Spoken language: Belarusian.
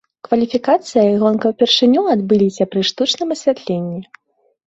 Кваліфікацыя і гонка ўпершыню адбыліся пры штучным асвятленні.